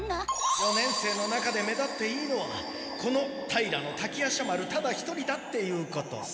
四年生の中で目立っていいのはこの平滝夜叉丸ただ一人だっていうことさ。